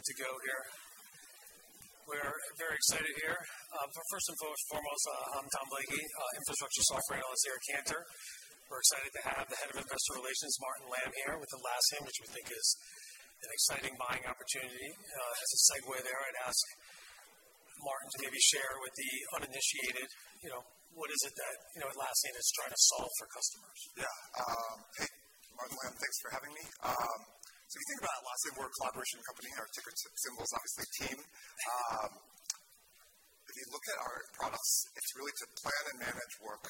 Good to go here. We're very excited here. First and foremost, I'm Thomas Blakey, infrastructure software, and this is Andres Sheppard-Slinger. We're excited to have the Head of Investor Relations, Martin Lam, here with Atlassian, which we think is an exciting buying opportunity. As a segue there, I'd ask Martin to maybe share with the uninitiated, what is it that, Atlassian is trying to solve for customers. Yeah. Hey, Martin Lam. Thanks for having me. You think about Atlassian, we're a collaboration company. Our ticker symbol is obviously Team. If you look at our products, it's really to plan and manage work.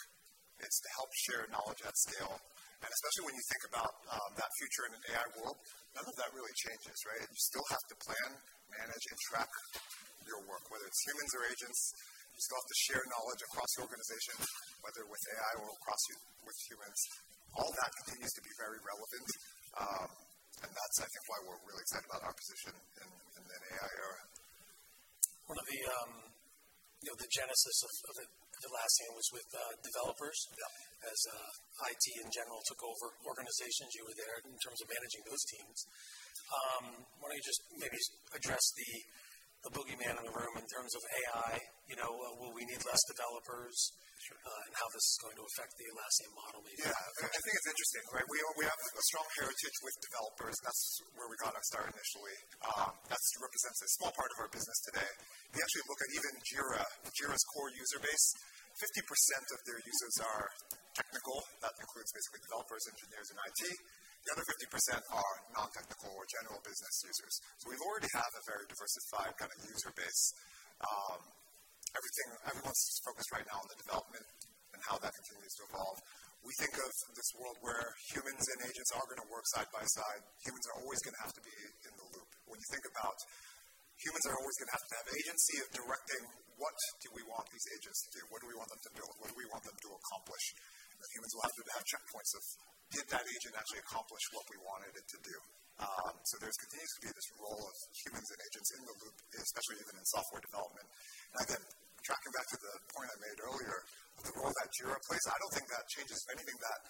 It's to help share knowledge at scale. Especially when you think about that future in an AI world, none of that really changes, right? You still have to plan, manage, and track your work, whether it's humans or agents. You still have to share knowledge across the organization, whether with AI or with humans. All that continues to be very relevant. That's, I think, why we're really excited about our position in an AI era. One of the genesis of Atlassian was with developers. Yeah. As IT in general took over organizations, you were there in terms of managing those teams. Why don't you just maybe address the boogeyman in the room in terms of AI, will we need less developers? Sure. How this is going to affect the Atlassian model maybe? Yeah. I think it's interesting, right? We have a strong heritage with developers. That's where we got our start initially. That represents a small part of our business today. If you actually look at even Jira's core user base, 50% of their users are technical. That includes basically developers, engineers, and IT. The other 50% are non-technical or general business users. We already have a very diversified kind of user base. Everyone's focused right now on the development and how that continues to evolve. We think of this world where humans and agents are gonna work side by side. Humans are always gonna have to be in the loop. When you think about humans are always gonna have to have agency of directing what do we want these agents to do? What do we want them to build? What do we want them to accomplish? The humans will have to have checkpoints of, did that agent actually accomplish what we wanted it to do? There continues to be this role of humans and agents in the loop, especially even in software development. Again, tracking back to the point I made earlier, the role that Jira plays, I don't think that changes anything. That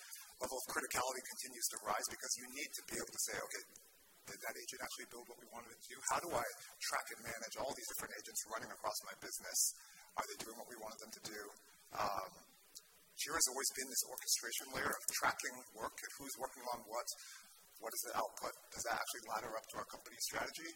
level of criticality continues to rise because you need to be able to say, "Okay, did that agent actually build what we wanted it to? How do I track and manage all these different agents running across my business? Are they doing what we wanted them to do?" Jira has always been this orchestration layer of tracking work. Who's working on what? What is the output? Does that actually ladder up to our company strategy?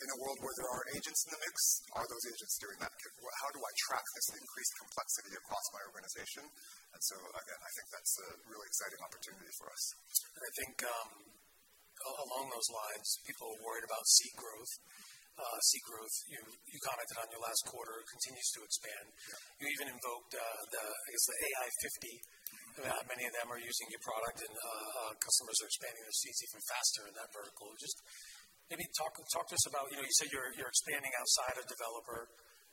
In a world where there are agents in the mix, are those agents doing that? How do I track this increased complexity across my organization? Again, I think that's a really exciting opportunity for us. I think, along those lines, people are worried about seat growth. You commented on your last quarter, it continues to expand. You even invoked, I guess, the AI 50. Many of them are using your product and customers are expanding their seats even faster in that vertical. Just maybe talk to us about, you said you're expanding outside of developer.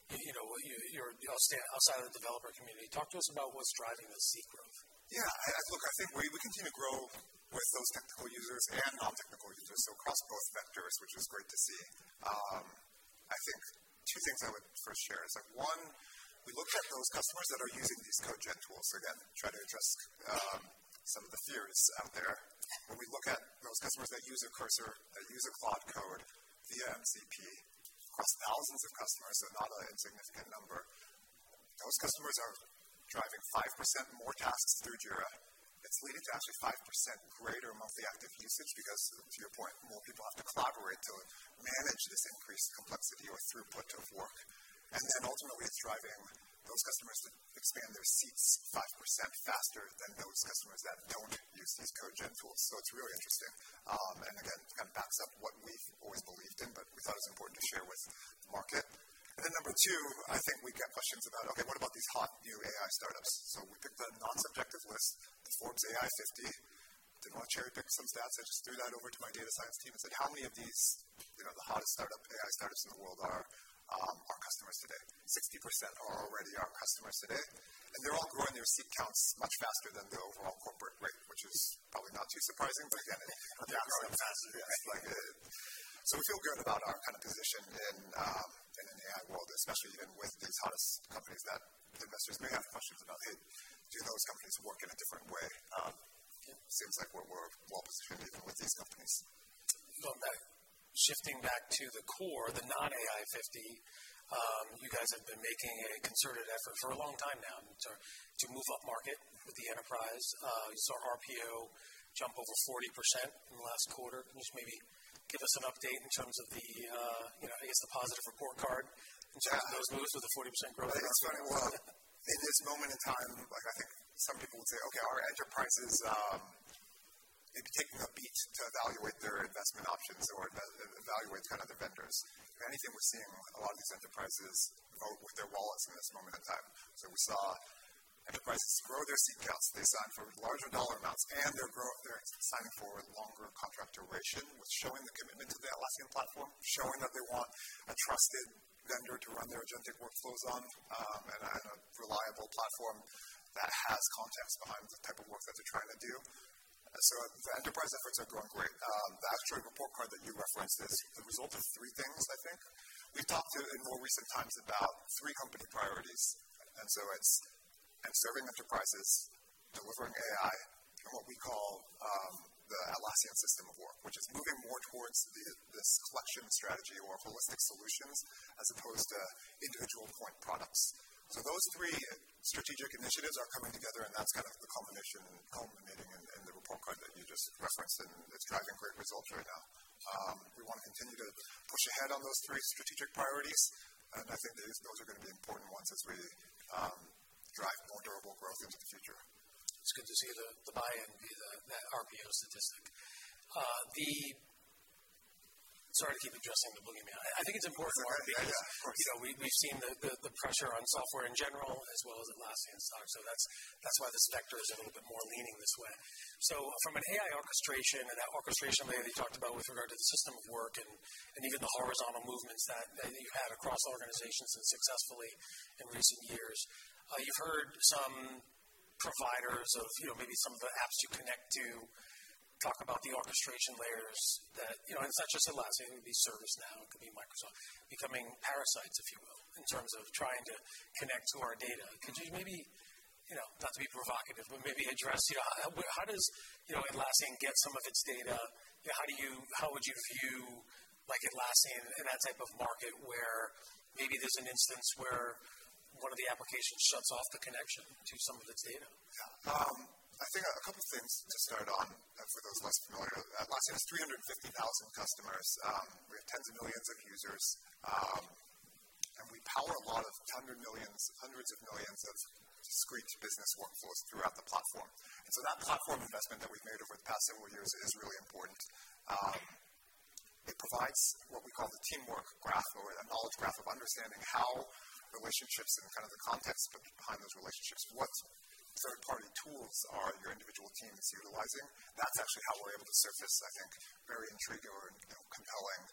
You're staying outside of the developer community. Talk to us about what's driving the seat growth. Yeah. Look, I think we continue to grow with those technical users and non-technical users, so across both vectors, which is great to see. I think two things I would first share is that, one, we looked at those customers that are using these code gen tools. Again, try to address some of the fears out there. When we look at those customers that use a Cursor, that use a Claude Code, VM, Copilot, across thousands of customers, so not an insignificant number, those customers are driving 5% more tasks through Jira. It's leading to actually 5% greater monthly active usage because to your point, more people have to collaborate to manage this increased complexity or throughput of work. Ultimately, it's driving those customers to expand their seats 5% faster than those customers that don't use these code gen tools. It's really interesting, and again, kind of backs up what we've always believed in, but we thought it was important to share with market. Then number two, I think we get questions about, okay, what about these hot new AI startups? We took the non-subjective list, the Forbes AI 50, didn't want to cherry-pick some stats. I just threw that over to my data science team and said, "How many of the hottest startup, AI startups in the world are, our customers today?" 60% are already our customers today, and they're all growing their seat counts much faster than the overall corporate rate, which is probably not too surprising. We feel good about our kind of position in an AI world, especially even with these hottest companies that investors may have questions about, "Hey, do those companies work in a different way?" It seems like we're well-positioned even with these companies. Going back, shifting back to the core, the non-AI 50, you guys have been making a concerted effort for a long time now to move upmarket with the enterprise. We saw RPO jump over 40% in the last quarter. Can you just maybe give us an update in terms of the, I guess, the positive report card? Yeah. In terms of those moves with the 40% growth? Well, in this moment in time, like I think some people would say, okay, are enterprises maybe taking a beat to evaluate their investment options or evaluate kind of the vendors? If anything, we're seeing a lot of these enterprises vote with their wallets in this moment in time. We saw enterprises grow their seat counts. They sign for larger dollar amounts, and they're signing for longer contract duration with showing the commitment to the Atlassian platform, showing that they want a trusted vendor to run their agentic workflows on, and a reliable platform that has context behind the type of work that they're trying to do. The enterprise efforts are going great. That joint report card that you referenced is the result of three things, I think. Talked in more recent times about three company priorities. It's serving enterprises, delivering AI through what we call the Atlassian System of Work, which is moving more towards the this collection strategy or holistic solutions as opposed to individual point products. Those three strategic initiatives are coming together, and that's kind of the combination culminating in the report card that you just referenced, and it's driving great results right now. We wanna continue to push ahead on those three strategic priorities, and I think those are gonna be important ones as we drive more durable growth into the future. It's good to see the buy-in via that RPO statistic. Sorry to keep addressing the gloomy. I think it's important for RPO. Yeah, of course. We've seen the pressure on software in general as well as Atlassian stock. That's why this vector is a little bit more leaning this way. From an AI orchestration and that orchestration layer that you talked about with regard to the System of Work and even the horizontal movements that you've had across organizations and successfully in recent years, you've heard some providers of maybe some of the apps you connect to talk about the orchestration layers that, and it's not just Atlassian, it could be ServiceNow, it could be Microsoft, becoming parasites, if you will, in terms of trying to connect to our data. Could you maybe not to be provocative, but maybe address how does Atlassian get some of its data? How would you view like Atlassian in that type of market where maybe there's an instance where one of the applications shuts off the connection to some of its data? Yeah. I think a couple things to start on for those less familiar. Atlassian has 350,000 customers. We have tens of millions of users, and we power hundreds of millions of discrete business workflows throughout the platform. That platform investment that we've made over the past several years is really important. It provides what we call the Teamwork Graph or a knowledge graph of understanding how relationships and kind of the context behind those relationships, what third-party tools your individual team is utilizing. That's actually how we're able to surface, I think, very intriguing or compelling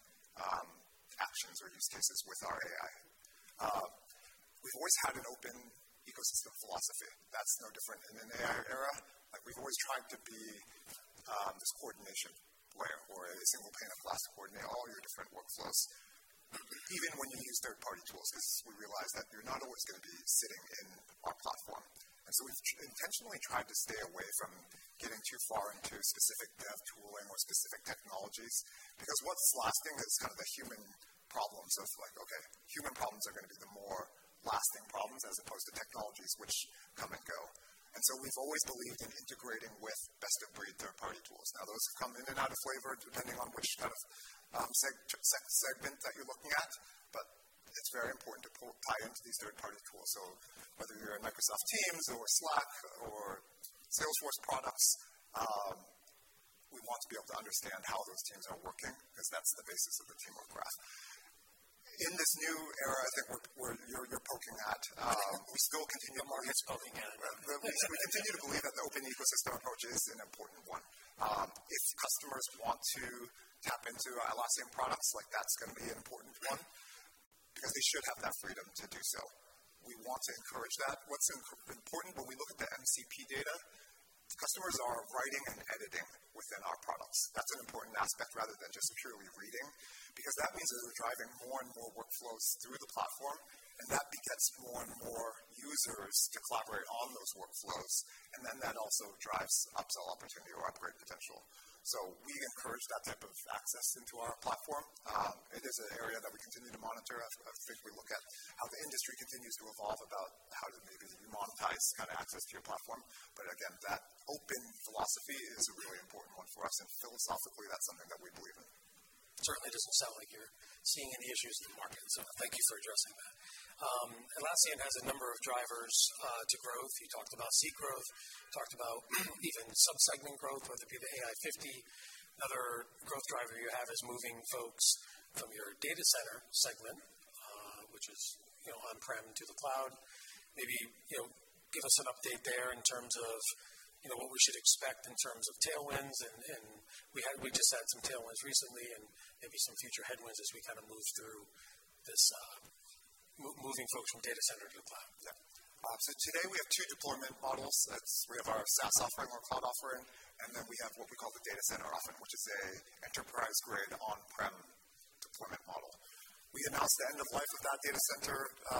actions or use cases with our AI. We've always had an open ecosystem philosophy. That's no different in an AI era. Like we've always tried to be, this coordination layer or a single pane of glass to coordinate all your different workflows. Even when you use third-party tools, 'cause we realize that you're not always gonna be sitting in our platform. We've intentionally tried to stay away from getting too far into specific dev tooling or specific technologies because what's lasting is kind of the human problems of like, okay, human problems are gonna be the more lasting problems as opposed to technologies which come and go. We've always believed in integrating with best-of-breed third-party tools. Now, those come in and out of flavor depending on which kind of, segment that you're looking at. But it's very important to pull, tie into these third-party tools. Whether you're in Microsoft Teams or Slack or Salesforce products, we want to be able to understand how those teams are working 'cause that's the basis of the Teamwork Graph. In this new era, I think where you're poking at. We still continue. I'm always poking in. We continue to believe that the open ecosystem approach is an important one. If customers want to tap into Atlassian products, like that's gonna be an important one because they should have that freedom to do so. We want to encourage that. What's important when we look at the MCP data, customers are writing and editing within our products. That's an important aspect rather than just purely reading, because that means that we're driving more and more workflows through the platform, and that begets more and more users to collaborate on those workflows. That also drives upsell opportunity or upgrade potential. We encourage that type of access into our platform. It is an area that we continue to monitor as we look at how the industry continues to evolve about how to maybe monetize kind of access to your platform. Again, that open philosophy is a really important one for us, and philosophically, that's something that we believe in. Certainly doesn't sound like you're seeing any issues in the market. Thank you for addressing that. Atlassian has a number of drivers to growth. You talked about seat growth. You talked about even sub-segment growth, whether it be the Forbes AI 50. Another growth driver you have is moving folks from your Data Center segment, which is on-prem to the cloud. Maybe give us an update there in terms of, what we should expect in terms of tailwinds and we just had some tailwinds recently and maybe some future headwinds as we kind of move through this, moving folks from Data Center to the cloud. Yeah. Today we have two deployment models. We have our SaaS offering or cloud offering, and then we have what we call the Data Center offering, which is an enterprise-grade on-prem deployment model. We announced the end of life of that Data Center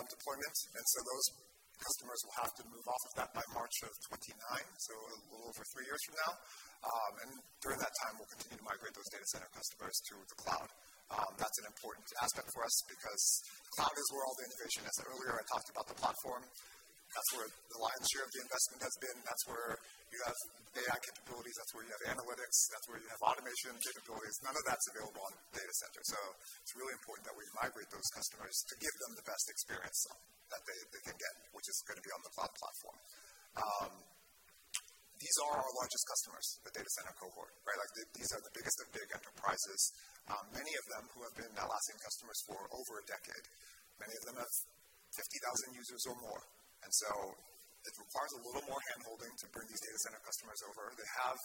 deployment, and so those customers will have to move off of that by March 2029, so a little over three years from now. During that time, we'll continue to migrate those Data Center customers to the cloud. That's an important aspect for us because cloud is where all the innovation. As earlier I talked about the platform, that's where the lion's share of the investment has been. That's where you have AI capabilities. That's where you have analytics. That's where you have automation capabilities. None of that's available on Data Center. It's really important that we migrate those customers to give them the best experience that they can get, which is gonna be on the cloud platform. These are our largest customers, the Data Center cohort, right? Like these are the biggest of big enterprises, many of them who have been Atlassian customers for over a decade. Many of them have 50,000 users or more. It requires a little more handholding to bring these Data Center customers over. They have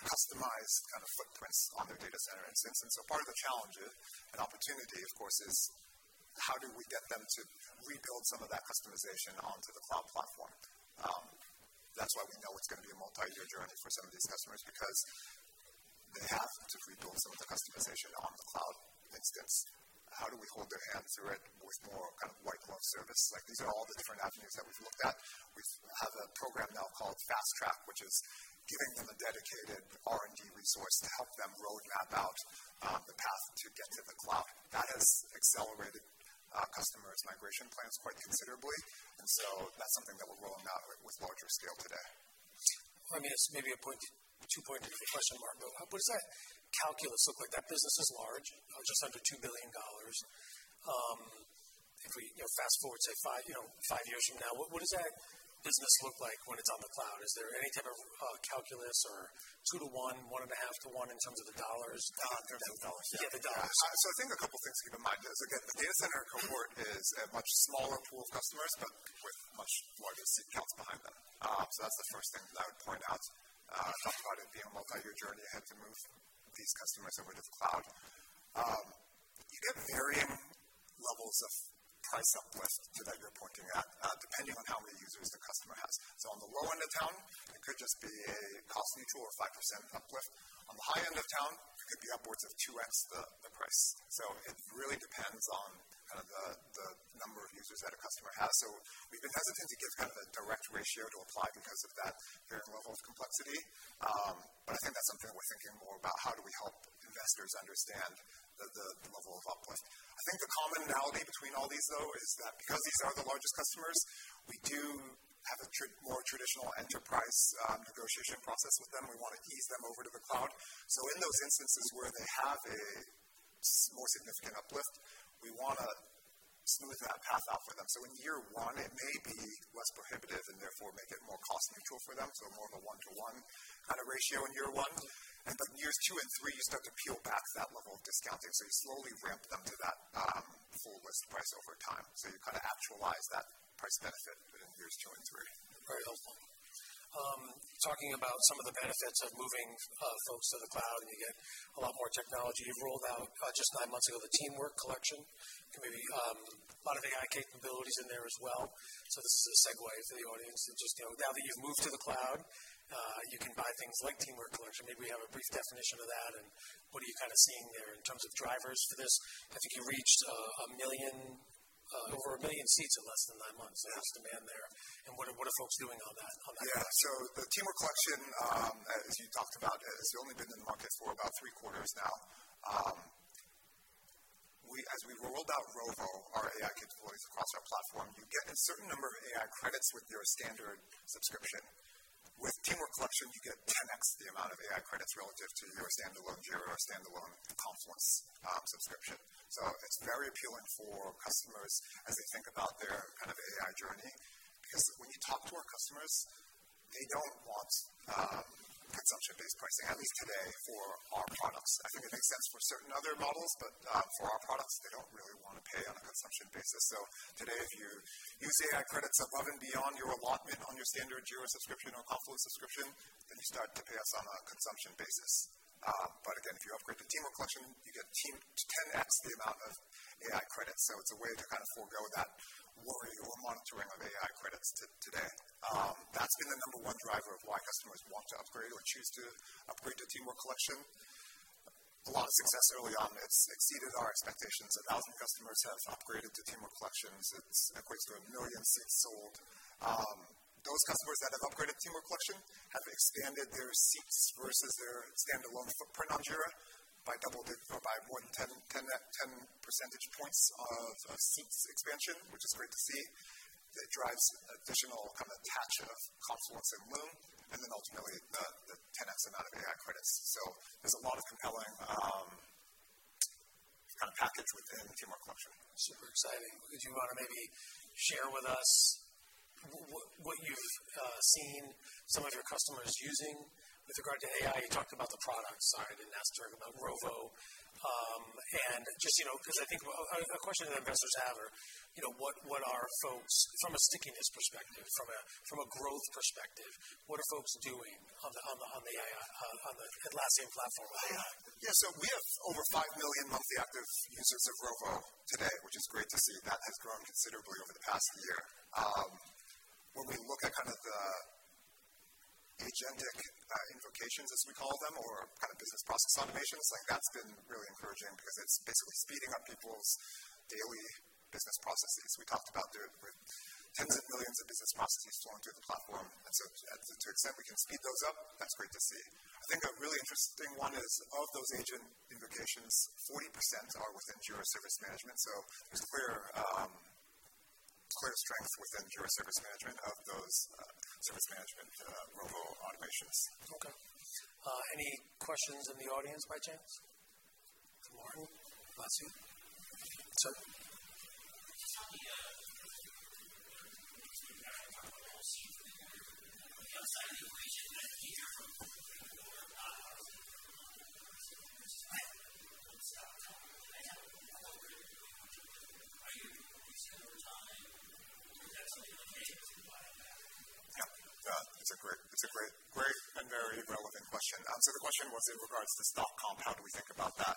customized kind of footprints on their Data Center instance. Part of the challenge and opportunity, of course, is how do we get them to rebuild some of that customization onto the cloud platform? That's why we know it's gonna be a multi-year journey for some of these customers because they have to rebuild some of the customization on the cloud instance. How do we hold their hand through it with more kind of white glove service? Like these are all the different avenues that we've looked at. We have a program now called Fast Track, which is giving them a dedicated R&D resource to help them roadmap out, the path to get to the cloud. That has accelerated customers' migration plans quite considerably. That's something that we're rolling out with larger scale today. Let me ask maybe a two-point question, though. What does that calculus look like? That business is large, just under $2 billion. If we fast-forward, say five years from now, what does that business look like when it's on the cloud? Is there any type of calculus or 2:1, 1.5:1 in terms of the dollars? In terms of the dollars? Yeah, the dollars. I think a couple of things to keep in mind is, again, the Data Center cohort is a much smaller pool of customers, but with much larger seat counts behind them. That's the first thing that I would point out about it being a multi-year journey ahead to move these customers over to the cloud. You get varying levels of price uplift that you're pointing at depending on how many users the customer has. On the low end of town, it could just be a cost-neutral or 5% uplift. On the high end of town, it could be upwards of 2x the price. It really depends on kind of the number of users that a customer has. We've been hesitant to give kind of a direct ratio to apply because of that varying level of complexity. I think that's something we're thinking more about how do we help investors understand the level of uplift. I think the commonality between all these, though, is that because these are the largest customers, we do have a more traditional enterprise negotiation process with them. We want to ease them over to the cloud. In those instances where they have more significant uplift, we wanna smooth that path out for them. In year one, it may be less prohibitive and therefore make it more cost neutral for them. More of a one-to-one kinda ratio in year one. Then years two and three, you start to peel back that level of discounting. You slowly ramp them to that full list price over time. You kinda actualize that price benefit within years two and three. Very helpful. Talking about some of the benefits of moving folks to the cloud, and you get a lot more technology. You've rolled out just nine months ago the Teamwork Collection. Maybe a lot of AI capabilities in there as well. This is a segue for the audience to just that you've moved to the cloud, you can buy things like Teamwork Collection. Maybe we have a brief definition of that. What are you kinda seeing there in terms of drivers for this? I think you reached over 1 million seats in less than nine months. Yeah. There's demand there. What are folks doing on that front? Yeah. The Teamwork Collection, as you talked about, it's only been in the market for about three quarters now. As we rolled out Rovo, our AI capabilities across our platform, you get a certain number of AI credits with your standard subscription. With Teamwork Collection, you get 10x the amount of AI credits relative to your standalone Jira or standalone Confluence subscription. It's very appealing for customers as they think about their kind of AI journey, because when you talk to our customers, they don't want consumption-based pricing, at least today for our products. I think it makes sense for certain other models, but for our products, they don't really wanna pay on a consumption basis. Today, if you use AI credits above and beyond your allotment on your standard Jira subscription or Confluence subscription, then you start to pay us on a consumption basis. But again, if you upgrade to Teamwork Collection, you get 10x the amount of AI credits. It's a way to kind of forego that worry or monitoring of AI credits today. That's been the number one driver of why customers want to upgrade or choose to upgrade to Teamwork Collection. A lot of success early on. It's exceeded our expectations. 1,000 customers have upgraded to Teamwork Collection. It equates to 1 million seats sold. Those customers that have upgraded Teamwork Collection have expanded their seats versus their standalone footprint on Jira by double digits or by more than 10 percentage points of seats expansion, which is great to see. It drives additional kind of attach of Confluence and Loom, and then ultimately the 10x amount of AI credits. There's a lot of compelling kind of package within Teamwork Collection. Super exciting. Did you wanna maybe share with us what you've seen some of your customers using with regard to AI? You talked about the product side, and that's Rovo. Just, cause I think a question that investors have are, what are folks from a stickiness perspective, from a growth perspective, what are folks doing on the AI on the Atlassian platform with AI? Yeah. We have over 5 million monthly active users of Rovo today, which is great to see. That has grown considerably over the past year. When we look at kind of the agentic invocations, as we call them, or kind of business process automations, like that's been really encouraging because it's basically speeding up people's daily business processes. We talked about there with tens of millions of business processes flowing through the platform, and to the extent we can speed those up, that's great to see. I think a really interesting one is of those agent invocations, 40% are within Jira Service Management. There's a clear strength within Jira Service Management of those service management Rovo automations. Okay. Any questions in the audience by chance? Martin? Last two. Sir. Can you tell me, maybe I have one more question. I'm reaching that year where you start talking about stock-based compensation and wondering, are you still taking? Do you have some indications you can provide on that? Yeah. That's a great and very relevant question. The question was in regards to stock-based compensation, how do we think about that?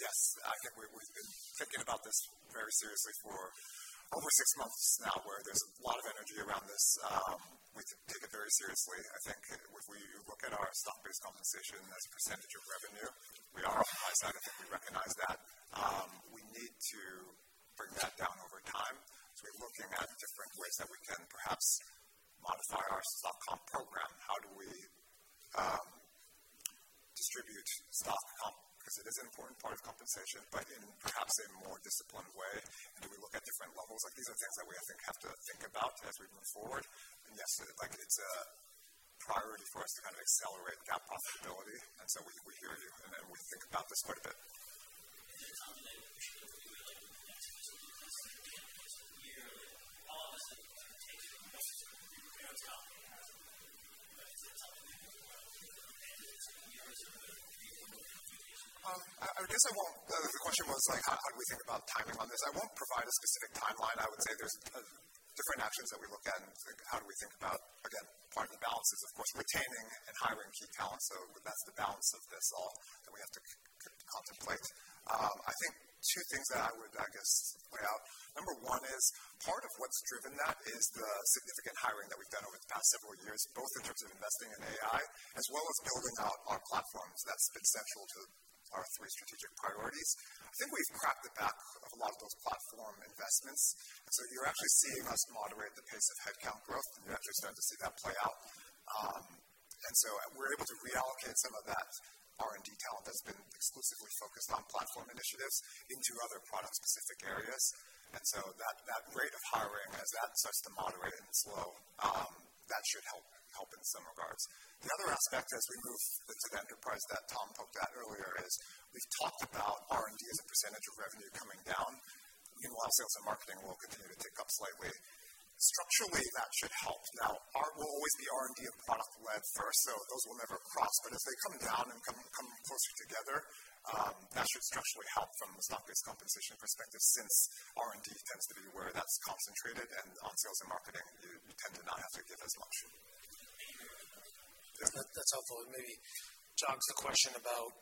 Yes, I think we've been thinking about this very seriously for over six months now, where there's a lot of energy around this. We take it very seriously. I think if we look at our stock-based compensation as a percentage of revenue, we are on the high side. I think we recognize that. We need to bring that down over time. We're looking at different ways that we can perhaps modify our stock comp program. How do we distribute stock comp? 'Cause it is an important part of compensation, but in perhaps a more disciplined way. Do we look at different levels? Like these are things that we, I think, have to think about as we move forward. Yes, like it's a priority for us to kind of accelerate that profitability. We hear you and we think about this quite a bit. The question was like, how do we think about timing on this? I won't provide a specific timeline. I would say there's different actions that we look at and think how do we think about. Again, part of the balance is of course retaining and hiring key talent. That's the balance of this all that we have to contemplate. I think two things that I would, I guess, point out. Number one is part of what's driven that is the significant hiring that we've done over the past several years, both in terms of investing in AI as well as building out our platforms. That's been central to our three strategic priorities. I think we've cracked the back of a lot of those platform investments, and so you're actually seeing us moderate the pace of headcount growth, and you're actually starting to see that play out. We're able to reallocate some of that R&D talent that's been exclusively focused on platform initiatives into other product specific areas. That rate of hiring, as that starts to moderate and slow, that should help in some regards. The other aspect as we move to the enterprise that Tom poked at earlier is we've talked about R&D as a percentage of revenue coming down. Meanwhile, sales and marketing will continue to tick up slightly. Structurally, that should help. We'll always be R&D and product led first, so those will never cross. If they come down and come closer together, that should structurally help from the stock-based compensation perspective, since R&D tends to be where that's concentrated. On sales and marketing, you tend to not have to give as much. That's helpful. It maybe jogs the question about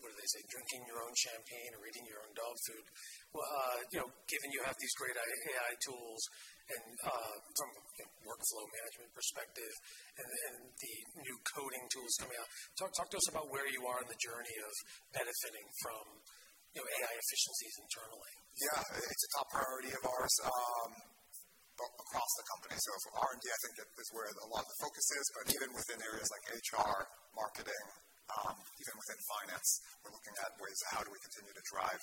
what do they say? Drinking your own champagne or eating your own dog food. Well given you have these great AI tools and from a workflow management perspective and the new coding tools coming out, talk to us about where you are in the journey of benefiting from AI efficiencies internally. Yeah, it's a top priority of ours, both across the company. For R&D, I think it is where a lot of the focus is. Even within areas like HR, marketing, even within finance, we're looking at ways of how do we continue to drive,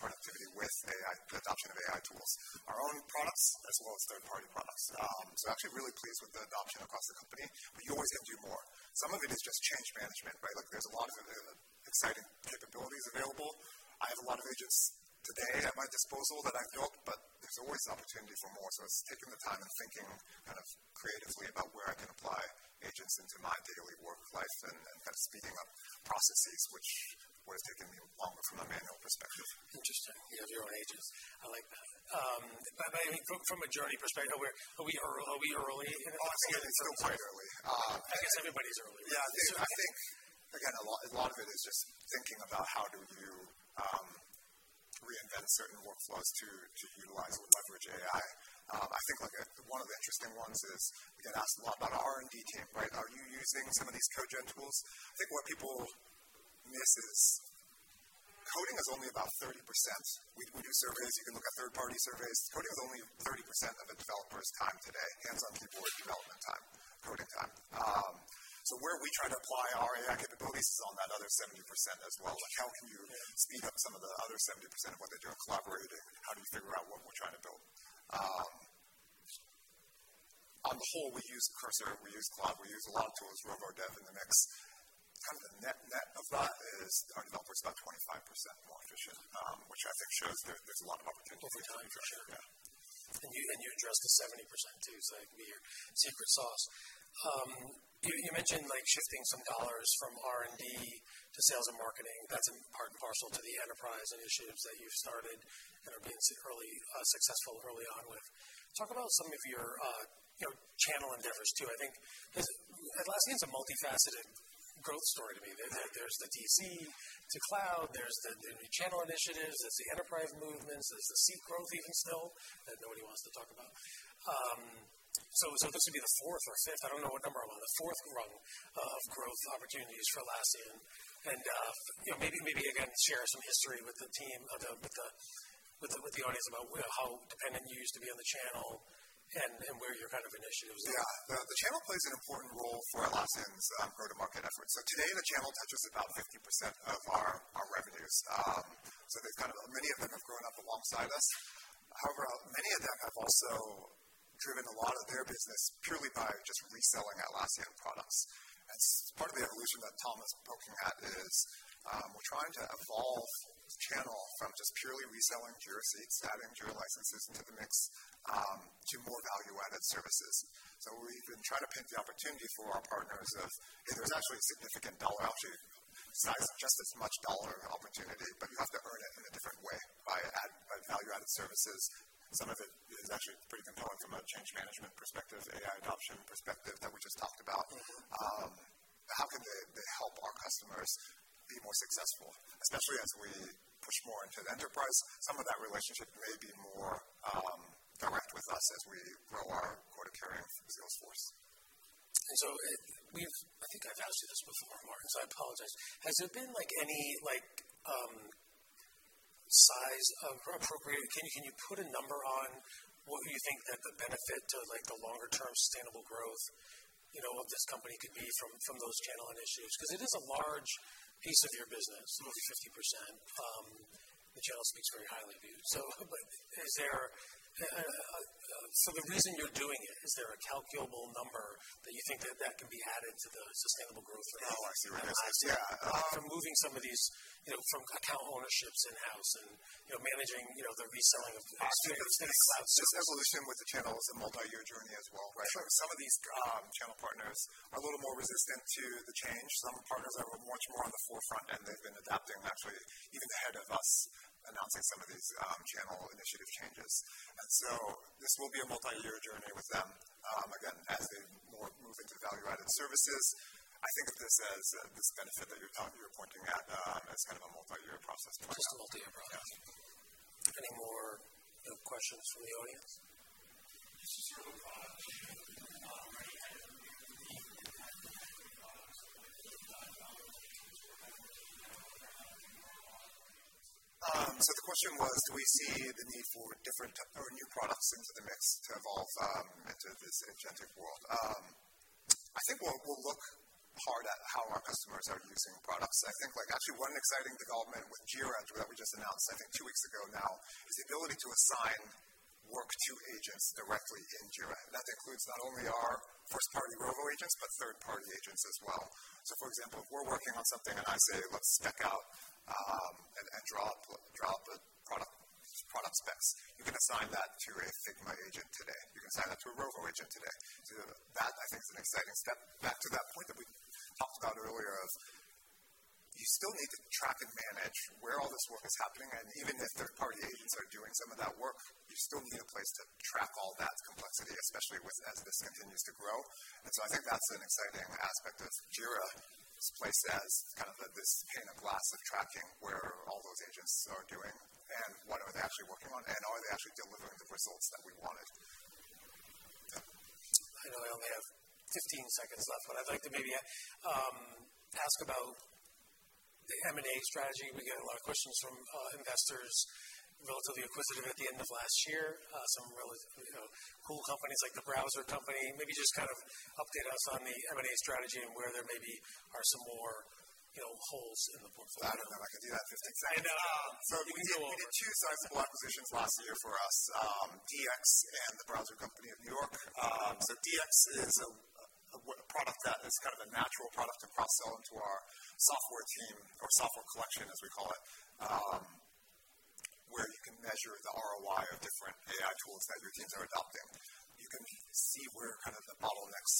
productivity with AI, the adoption of AI tools, our own products, as well as third-party products. Actually really pleased with the adoption across the company, but you always can do more. Some of it is just change management, right? Like there's a lot of exciting capabilities available. I have a lot of agents today at my disposal that I built, but there's always opportunity for more. It's taking the time and thinking kind of creatively about where I can apply agents into my daily work life and kind of speeding up processes which would have taken me longer from a manual perspective. Interesting. You have your own agents. I like that. I mean from a journey perspective, are we early in this? I think it's still quite early. I guess everybody's early. Yeah, I think again, a lot of it is just thinking about how do you reinvent certain workflows to utilize or leverage AI. I think like one of the interesting ones is we get asked a lot about our R&D team, right? Are you using some of these code gen tools? I think what people miss is coding is only about 30%. We do surveys, you can look at third-party surveys. Coding is only 30% of a developer's time today, hands-on keyboard development time, coding time. Where we try to apply our AI capabilities is on that other 70% as well. Like, how can you speed up some of the other 70% of what they do in collaborating? How do you figure out what we're trying to build? On the whole, we use Cursor, we use Claude, we use a lot of tools, Rovo Dev in the mix. Kind of the net net of that is our developers are about 25% more efficient, which I think shows that there's a lot of opportunity for efficiency there. You addressed the 70% too, so that can be your secret sauce. You mentioned like shifting some dollars from R&D to sales and marketing. That's part and parcel to the enterprise initiatives that you've started and are being successful early on with. Talk about some of channel endeavors too. I think 'cause Atlassian's a multifaceted growth story to me. There's the Data Center to cloud, there's the new channel initiatives, there's the enterprise movements, there's the seat growth even still that nobody wants to talk about. This would be the fourth or fifth, I don't know what number we're on, the fourth rung of growth opportunities for Atlassian. Maybe again, share some history with the team and the audience about how dependent you used to be on the channel and where your kind of initiatives are. Yeah. The channel plays an important role for Atlassian's go-to-market efforts. Today the channel touches about 50% of our revenues. Many of them have grown up alongside us. However, many of them have also driven a lot of their business purely by just reselling Atlassian products. Part of the evolution that Tom was poking at is we're trying to evolve the channel from just purely reselling Jira seats, adding Jira licenses into the mix, to more value-added services. We've been trying to paint the opportunity for our partners of if there's actually a significant dollar opportunity, size just as much dollar opportunity and services. Some of it is actually pretty compelling from a change management perspective, AI adoption perspective that we just talked about. How can they help our customers be more successful, especially as we push more into the enterprise. Some of that relationship may be more direct with us as we grow our quota carrying through the sales force. I think I've asked you this before, Martin, so I apologize. Has there been like any like, size of or appropriate. Can you put a number on what you think that the benefit to like the longer term sustainable growth of this company could be from those channel initiatives? Because it is a large piece of your business, almost 50%, the channel space very highly viewed. Is there a calculable number that you think that can be added to the sustainable growth of Atlassian. How our business, yeah. From moving some of these from account ownerships in-house and managing the reselling of these cloud services. This evolution with the channel is a multi-year journey as well, right? Some of these channel partners are a little more resistant to the change. Some partners are much more on the forefront, and they've been adapting actually even ahead of us announcing some of these channel initiative changes. This will be a multi-year journey with them, again, as they more move into value-added services. I think this is this benefit that you're pointing at, as kind of a multi-year process as well. Just a multi-year process. Yeah. Any more questions from the audience? Just sort of, do you, I guess the need for different types of applications or anything like that in the market? The question was, do we see the need for different type or new products into the mix to evolve into this agentic world? I think we'll look hard at how our customers are using products. I think like actually one exciting development with Jira that we just announced, I think two weeks ago now, is the ability to assign work to agents directly in Jira. That includes not only our first party Rovo agents, but third party agents as well. For example, if we're working on something and I say, "Let's spec out and draw up the product specs," you can assign that to a Figma agent today. You can assign that to a Rovo agent today. That I think is an exciting step back to that point that we talked about earlier of you still need to track and manage where all this work is happening. Even if third-party agents are doing some of that work, you still need a place to track all that complexity, especially as this continues to grow. I think that's an exciting aspect of Jira's place as kind of this pane of glass of tracking where all those agents are doing and what are they actually working on, and are they actually delivering the results that we wanted? Yeah. I know I only have 15 seconds left, but I'd like to maybe ask about the M&A strategy. We get a lot of questions from investors relatively acquisitive at the end of last year. Some relatively cool companies like The Browser Company. Maybe just kind of update us on the M&A strategy and where there maybe are some more holes in the portfolio. I don't know if I can do that in 15 seconds. I know. We did two sizable acquisitions last year for us, DX and The Browser Company of New York. DX is a product that is kind of a natural product to cross-sell into our software team or Software Collection as we call it, where you can measure the ROI of different AI tools that your teams are adopting. You can see where kind of the bottlenecks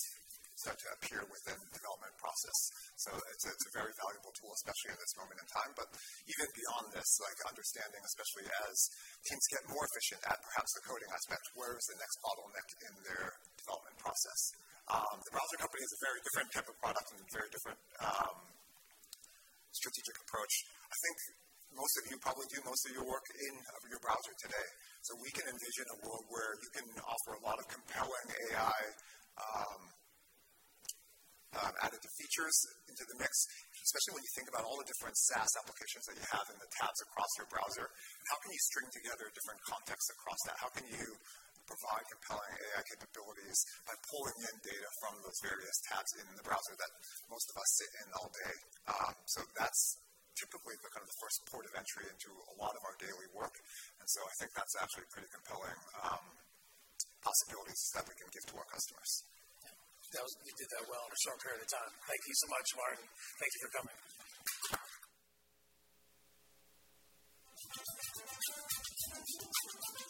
start to appear within the development process. It's a very valuable tool, especially in this moment in time. Even beyond this, like understanding, especially as teams get more efficient at perhaps the coding aspect, where is the next bottleneck in their development process? The Browser Company is a very different type of product and very different strategic approach. I think most of you probably do most of your work in your browser today. We can envision a world where you can offer a lot of compelling AI added to features into the mix. Especially when you think about all the different SaaS applications that you have in the tabs across your browser. How can you string together different contexts across that? How can you provide compelling AI capabilities by pulling in data from those various tabs in the browser that most of us sit in all day? That's typically the kind of first port of entry into a lot of our daily work. I think that's actually pretty compelling possibilities that we can give to our customers. Yeah. You did that well in a short period of time. Thank you so much, Martin. Thank you for coming.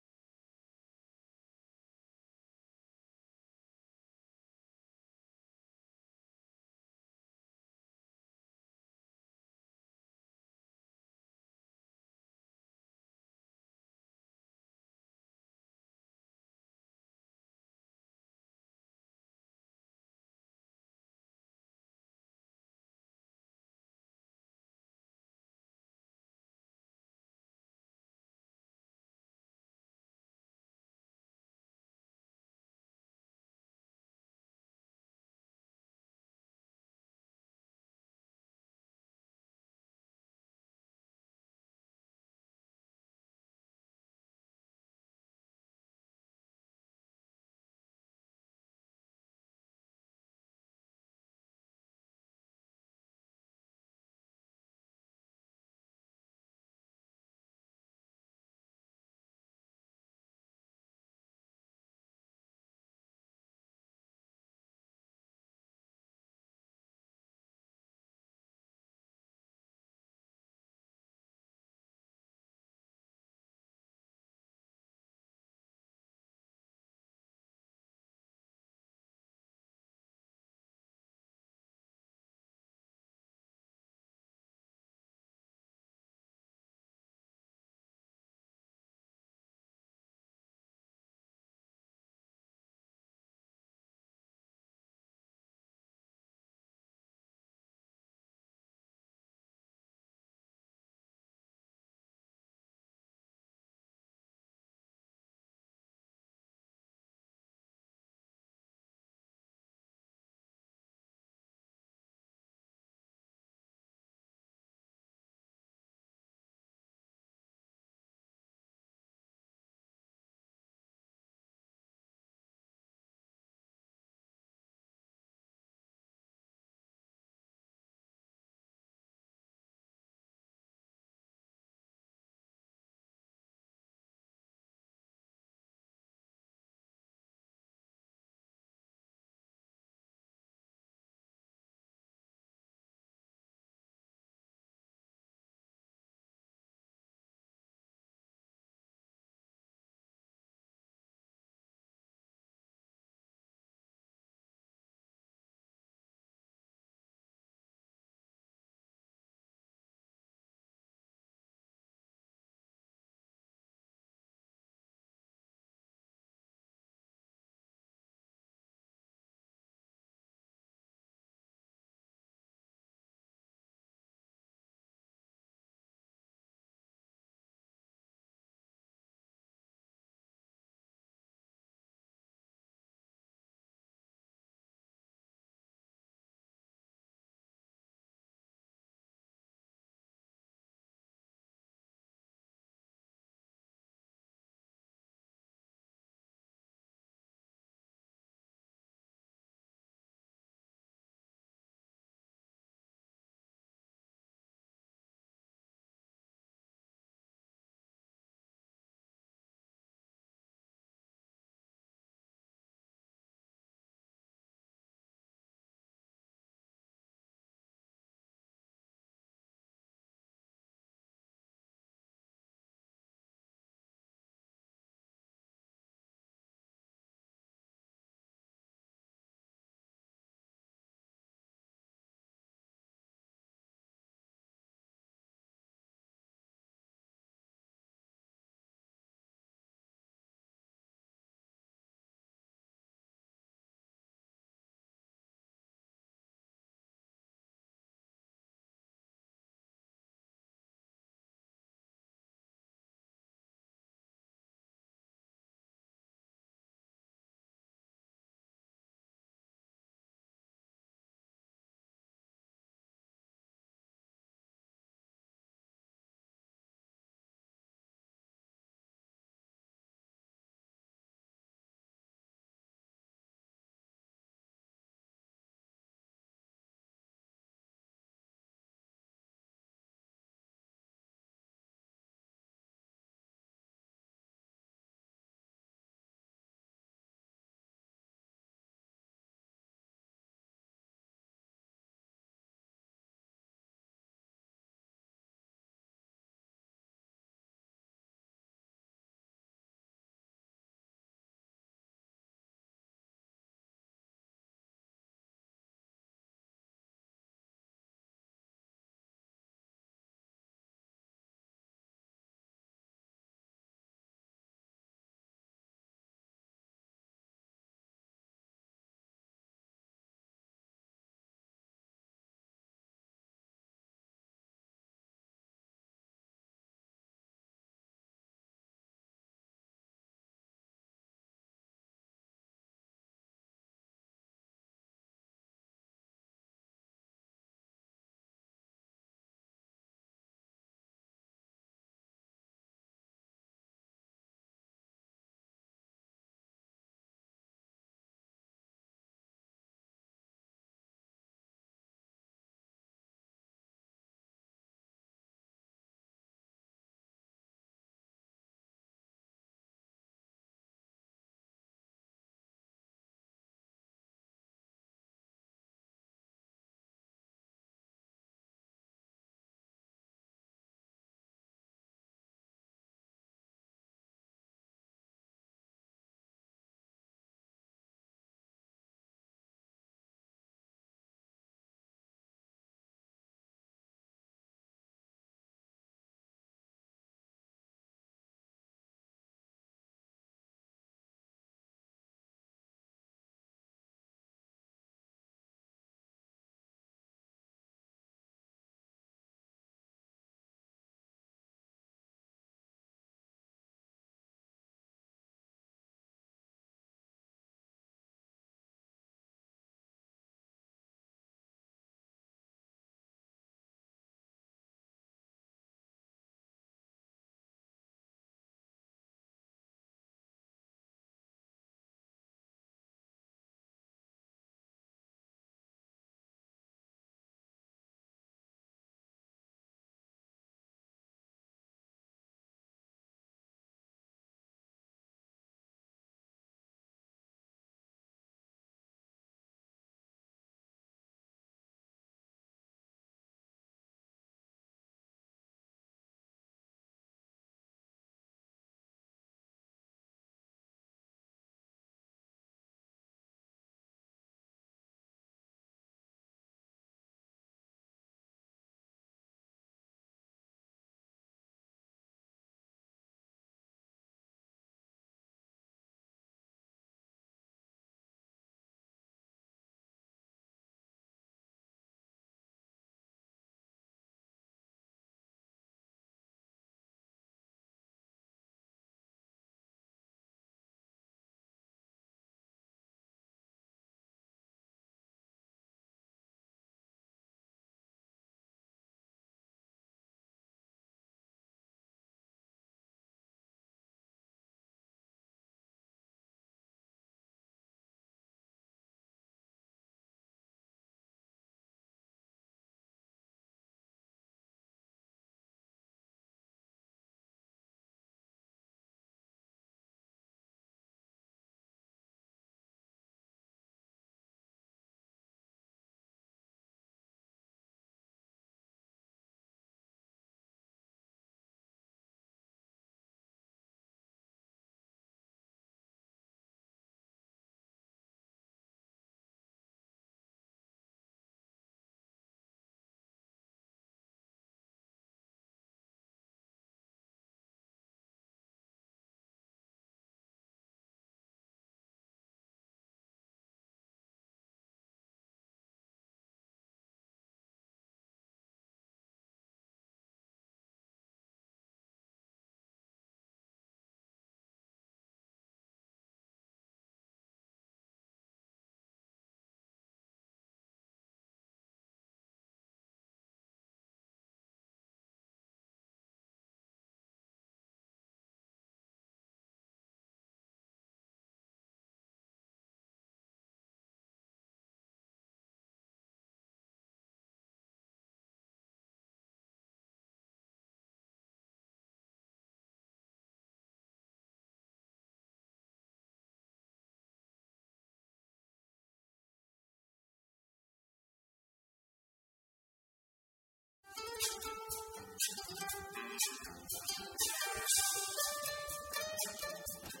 All right.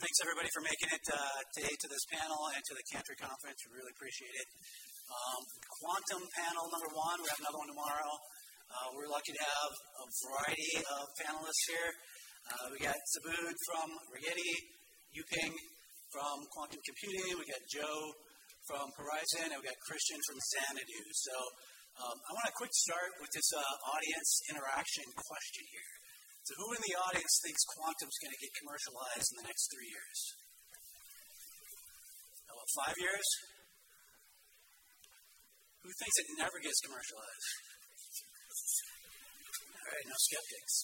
Thanks everybody for making it today to this panel and to the Cantor conference. We really appreciate it. Quantum panel number one. We have another one tomorrow. We're lucky to have a variety of panelists here. We got Subodh from Rigetti, Yuping from Quantum Computing, we got Joe from Horizon, and we've got Christian from Xanadu. I want to quickly start with this audience interaction question here. Who in the audience thinks quantum's gonna get commercialized in the next three years? How about five years? Who thinks it never gets commercialized? All right, no skeptics.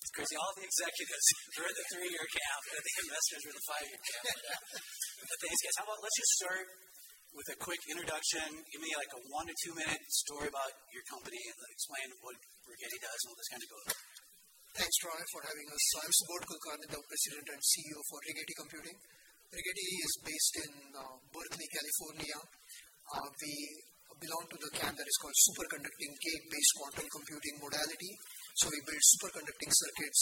It's crazy, all the executives are in the three-year camp and the investors are in the five-year camp. Thanks, guys. How about let's just start with a quick introduction. Give me like a 1-2-minute story about your company and then explain what Rigetti does and where this kind of goes. Thanks, Roy, for having us. I'm Subodh Kulkarni, the President and CEO for Rigetti Computing. Rigetti is based in Berkeley, California. We belong to the camp that is called superconducting gate-based quantum computing modality. We build superconducting circuits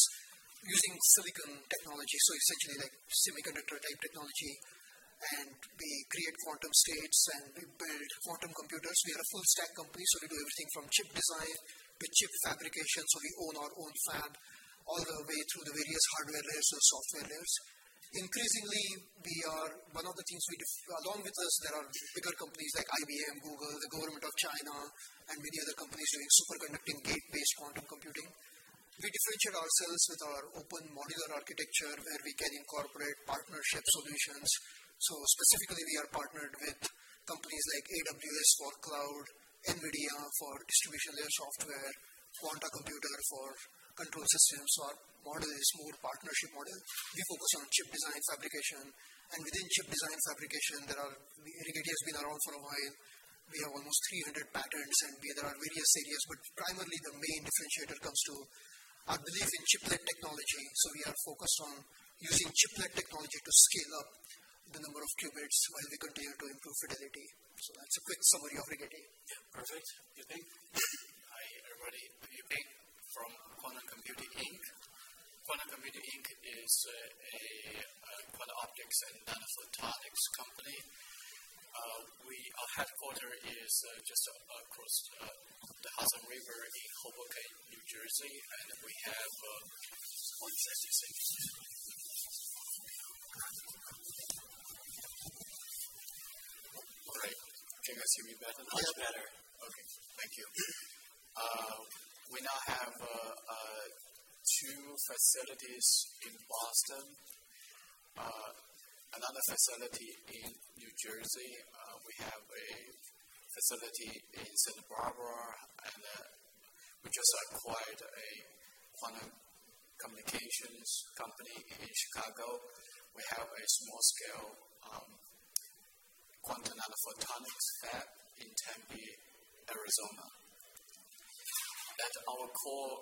using silicon technology, so essentially like semiconductor-type technology. We create quantum states, and we build quantum computers. We are a full-stack company, so we do everything from chip design to chip fabrication. We own our own fab all the way through the various hardware layers or software layers. Increasingly, we are one of the teams. Along with us, there are bigger companies like IBM, Google, the government of China, and many other companies doing superconducting gate-based quantum computing. We differentiate ourselves with our open modular architecture where we can incorporate partnership solutions. Specifically, we are partnered with companies like AWS for cloud, NVIDIA for distribution layer software, Quanta Computer for control systems. Our model is more partnership model. We focus on chip design fabrication, and within chip design fabrication, Rigetti has been around for a while. We have almost 300 patents. There are various areas, but primarily the main differentiator comes to our belief in chiplet technology. We are focused on using chiplet technology to scale up the number of qubits while we continue to improve fidelity. That's a quick summary of Rigetti. Yeah. Perfect. Yuping? Everybody, Yuping Huang from Quantum Computing Inc. Quantum Computing Inc. is a quantum optics and nanophotonics company. Our headquarters is just across the Hudson River in Hoboken, New Jersey, and we have one facility. Great. Can you guys hear me better now? Much better. Okay, thank you. We now have two facilities in Boston. Another facility in New Jersey. We have a facility in Santa Barbara, and then we just acquired a quantum communications company in Chicago. We have a small scale quantum nanophotonics lab in Tempe, Arizona. At our core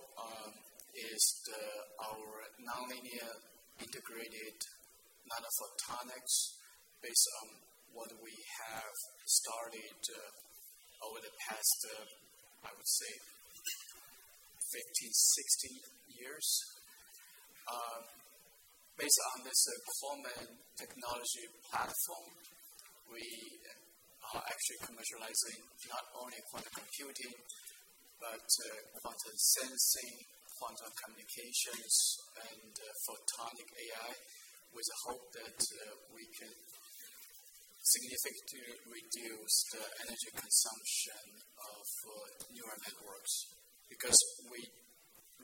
is our nonlinear integrated nanophotonics based on what we have started over the past I would say 15, 16 years. Based on this performance technology platform, we are actually commercializing not only quantum computing, but quantum sensing, quantum communications, and photonic AI with the hope that we can significantly reduce the energy consumption of neural networks. Because we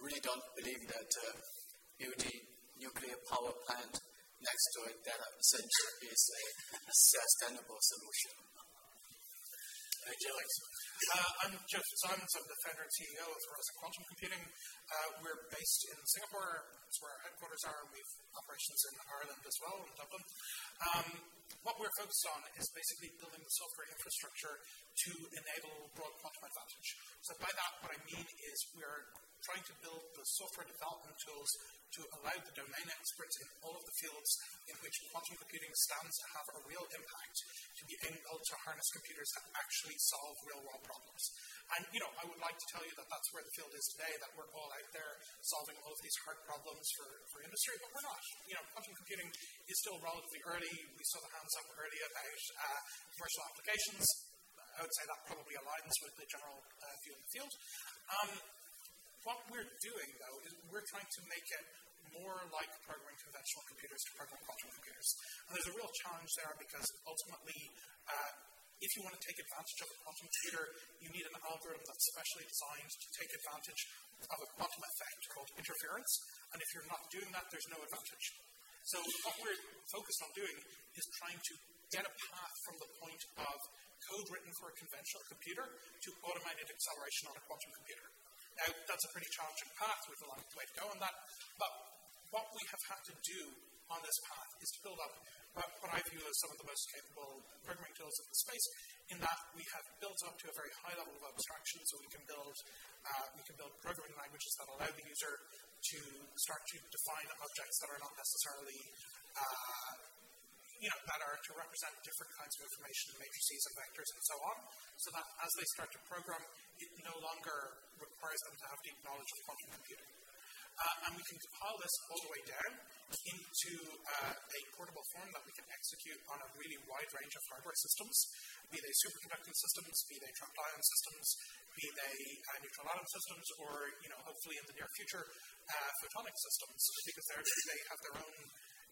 really don't believe that building nuclear power plant next to a data center is a sustainable solution. Thank you. I'm Joe Fitzsimons. I'm the founder and CEO of Horizon Quantum Computing. We're based in Singapore. That's where our headquarters are. We've operations in Ireland as well, in Dublin. What we're focused on is basically building the software infrastructure to enable broad quantum advantage. By that, what I mean is we're trying to build the software development tools to allow the domain experts in all of the fields in which quantum computing stands to have a real impact, to be able to harness computers that actually solve real world problems. I would like to tell you that that's where the field is today, that we're all out there solving all of these hard problems for industry, but we're not. Quantum computing is still relatively early. We saw the hype up early about commercial applications. I would say that probably aligns with the general feeling of the field. What we're doing though is we're trying to make it more like programming conventional computers to program quantum computers. There's a real challenge there because ultimately, if you want to take advantage of a quantum computer, you need an algorithm that's specially designed to take advantage of a quantum effect called interference. If you're not doing that, there's no advantage. What we're focused on doing is trying to get a path from the point of code written for a conventional computer to automated acceleration on a quantum computer. Now, that's a pretty challenging path. We've a long way to go on that. What we have had to do on this path is build up what I view as some of the most capable programming tools in the space, in that we have built up to a very high level of abstraction, so we can build programming languages that allow the user to start to define objects that are not necessarily that are to represent different kinds of information, matrices and vectors and so on. So that as they start to program, it no longer requires them to have deep knowledge of quantum computing. We can compile this all the way down into a portable form that we can execute on a really wide range of hardware systems, be they superconducting systems, be they trapped-ion systems, be they neutral atom systems or hopefully in the near future, photonic systems, because they each have their own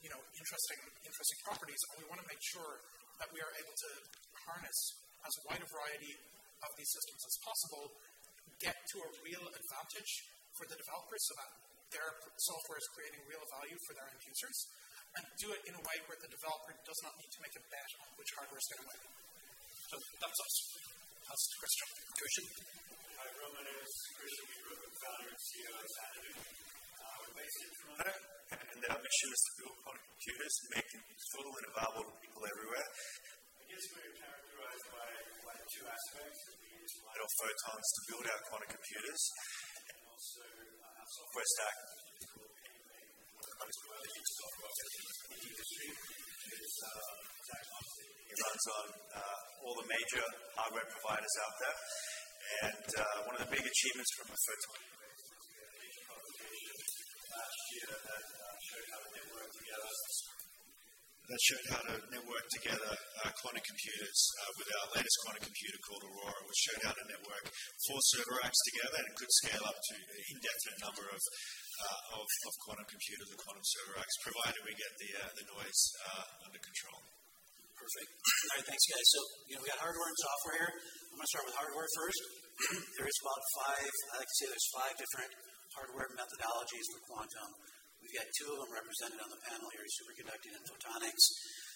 interesting properties. We want to make sure that we are able to harness as wide a variety of these systems as possible, get to a real advantage for the developers so that their software is creating real value for their end users, and do it in a way where the developer does not need to make a bet on which hardware they're working on. That's us. Pass to Christian. Christian? Hi everyone, my name is Christian Weedbrook, Founder and CEO of Xanadu. We're based in Toronto, and our mission is to build quantum computers and make them useful and available to people everywhere. I guess we're characterized by like two aspects. We use light or photons to build our quantum computers and also our software stack, which is called PennyLane, one of the most widely used software stacks in the industry is dynamic. It runs on all the major hardware providers out there. One of the big achievements from a photonics perspective was a major publication last year that showed how to network together quantum computers with our latest quantum computer called Aurora, which showed how to network four server racks together and could scale up to an indefinite number of quantum computers or quantum server racks, provided we get the noise under control. Perfect. All right. Thanks, guys. We got hardware and software here. I'm gonna start with hardware first. There is about five. I like to say there's five different hardware methodologies for quantum. We've got two of them represented on the panel here, superconducting and photonics.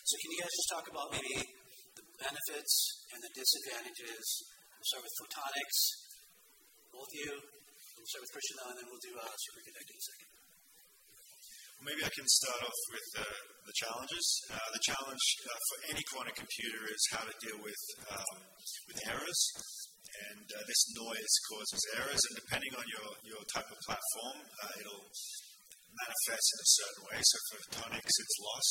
Can you guys just talk about maybe the benefits and the disadvantages? We'll start with photonics, both of you. We'll start with Christian, and then we'll do superconducting second. Maybe I can start off with the challenges. The challenge for any quantum computer is how to deal with errors. This noise causes errors and depending on the type of platform, it'll manifest in a certain way. For photonics, it's loss.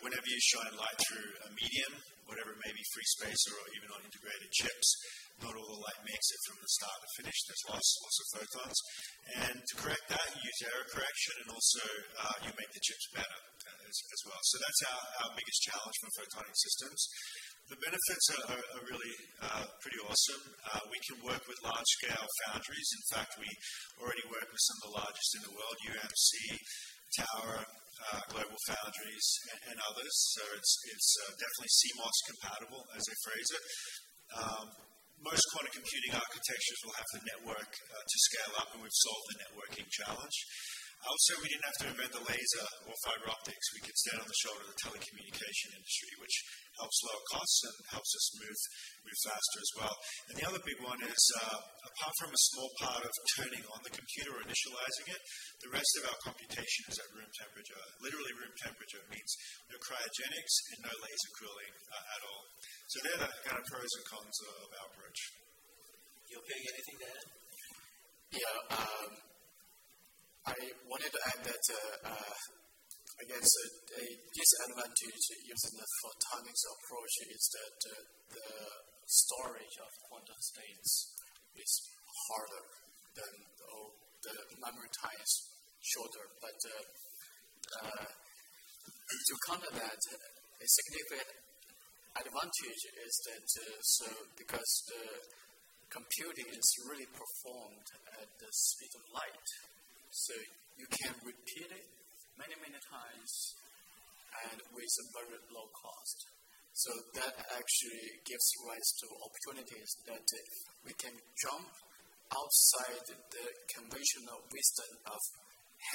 Whenever you shine light through a medium, whatever it may be, free space or even on integrated chips, not all the light makes it from the start to finish. There's loss, lots of photons. To correct that, you use error correction, and also you make the chips better, as well. That's our biggest challenge for photonic systems. The benefits are really pretty awesome. We can work with large-scale foundries. In fact, we already work with some of the largest in the world, UMC, Tower, GlobalFoundries and others. It's definitely CMOS compatible, as they phrase it. Most quantum computing architectures will have to network to scale up, and we've solved the networking challenge. Also, we didn't have to invent the laser or fiber optics. We could stand on the shoulders of the telecommunication industry, which helps lower costs and helps us move faster as well. The other big one is, apart from a small part of turning on the computer or initializing it, the rest of our computation is at room temperature. Literally room temperature means no cryogenics and no laser cooling at all. They're the kind of pros and cons of our approach. Yuping anything to add? Yeah. I wanted to add that, I guess a disadvantage using the photonics approach is that the storage of quantum states is harder than or the memory time is shorter. To counter that, a significant advantage is that, so because the computing is really performed at the speed of light, so you can repeat it many, many times and with a very low cost. That actually gives rise to opportunities that we can jump outside the conventional wisdom of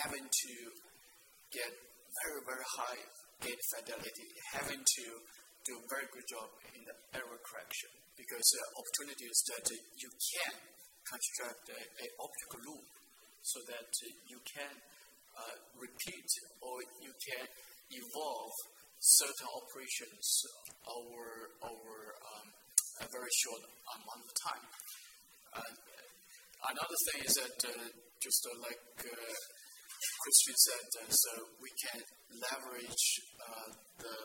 having to get very, very high gate fidelity, having to do a very good job in the error correction. Because there are opportunities that you can construct a optical loop so that you can repeat or you can evolve certain operations over a very short amount of time. Another thing is that, just like Christian said, so we can leverage the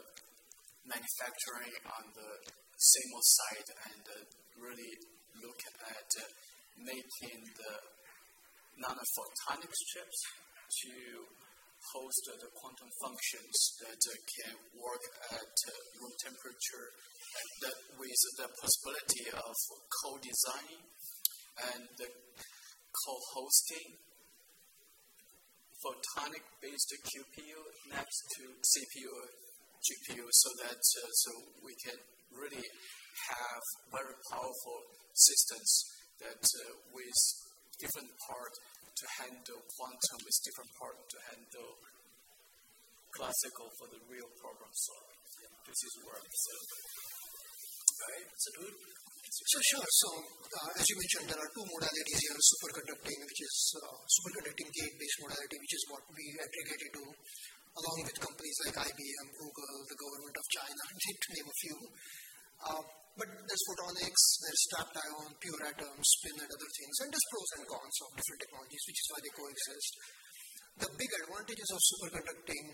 manufacturing on the CMOS side and really look at making the nanophotonic chips to host the quantum functions that can work at room temperature. That with the possibility of co-designing and co-hosting photonic-based QPU next to CPU, GPU, so that so we can really have very powerful systems that with different part to handle quantum, with different part to handle classical for the real problem solving. This is where I'll stop. All right. Subodh? Sure. As you mentioned, there are two modalities here. Superconducting, which is superconducting gate-based modality, which is what we are dedicated to along with companies like IBM, Google, the government of China, to name a few. There's photonics, there's trapped ion, neutral atoms, spin and other things. There's pros and cons of different technologies, which is why they coexist. The big advantages of superconducting,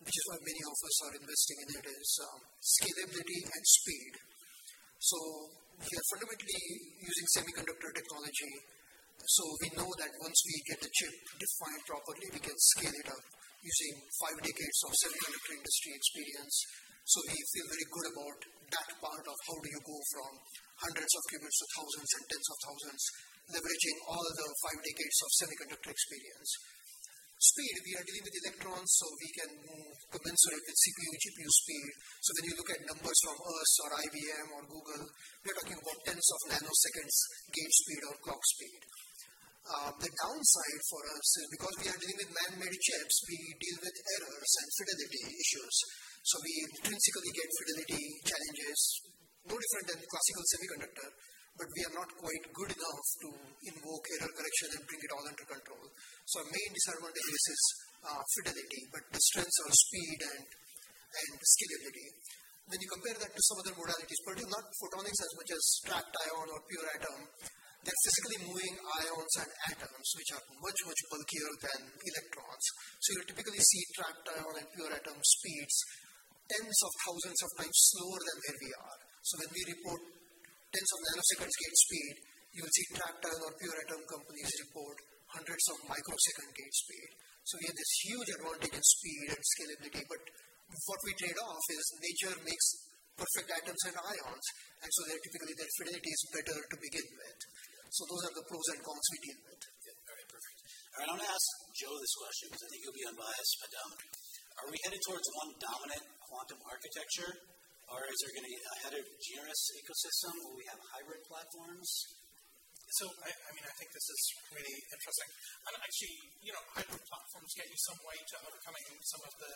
which is why many of us are investing in it, is scalability and speed. We are fundamentally using semiconductor technology. We know that once we get the chip defined properly, we can scale it up using five decades of semiconductor industry experience. We feel very good about that part of how do you go from hundreds of qubits to thousands and tens of thousands, leveraging all the five decades of semiconductor experience. Speed, we are dealing with electrons, so we can move commensurate with CPU, GPU speed. When you look at numbers from us or IBM or Google, we're talking about tens of nanoseconds gate speed or clock speed. The downside for us is because we are dealing with man-made chips, we deal with errors and fidelity issues. We intrinsically get fidelity challenges no different than classical semiconductor, but we are not quite good enough to invoke error correction and bring it all under control. Our main disadvantage is fidelity, but the strengths are speed and scalability. When you compare that to some other modalities, particularly not photonics as much as trapped-ion or neutral atom, they're physically moving ions and atoms, which are much, much bulkier than electrons. You'll typically see trapped-ion and neutral-atom speeds tens of thousands of times slower than where we are. When we report tens of nanoseconds gate speed, you'll see trapped-ion or neutral-atom companies report hundreds of microsecond gate speed. We have this huge advantage in speed and scalability, but what we trade off is nature makes perfect atoms and ions, and so they're typically, their fidelity is better to begin with. Those are the pros and cons we deal with. Yeah. Very perfect. All right. I'm gonna ask Joe this question because I think you'll be unbiased, but, are we headed towards one dominant quantum architecture, or is there gonna be a heterogeneous ecosystem where we have hybrid platforms? I mean, I think this is really interesting. Actually hybrid platforms get you some way towards overcoming some of the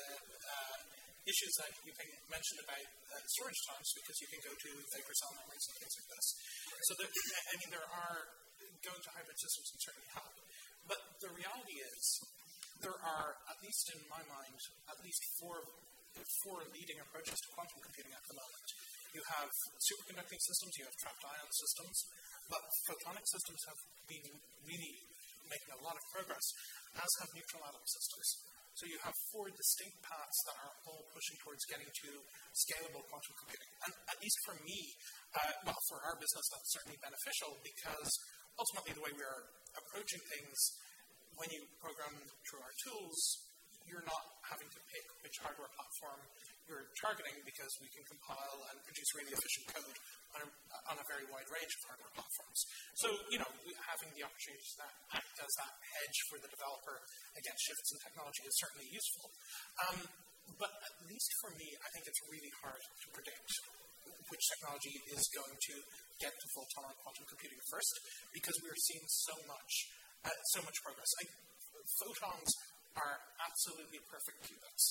issues that you've mentioned about storage times, because you can go to vapor cell memory and things like this. Going to hybrid systems can certainly help. The reality is there are, at least in my mind, at least four leading approaches to quantum computing at the moment. You have superconducting systems, you have trapped-ion systems, but photonic systems have been really making a lot of progress, as have neutral-atom systems. You have four distinct paths that are all pushing towards getting to scalable quantum computing. At least for me, well, for our business, that's certainly beneficial because ultimately the way we are approaching things, when you program through our tools, you're not having to pick which hardware platform you're targeting because we can compile and produce really efficient code on a very wide range of hardware platforms. Having the opportunities to act as that hedge for the developer against shifts in technology is certainly useful. At least for me, I think it's really hard to predict which technology is going to get to fault-tolerant quantum computing first because we're seeing so much progress. I think photons are absolutely perfect qubits.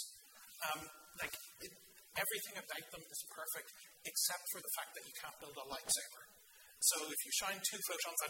Everything about them is perfect except for the fact that you can't build a Lightsaber. If you shine two photons at